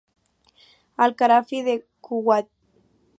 Al-Kharafi de Kuwait.